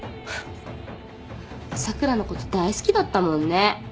咲良のこと大好きだったもんね。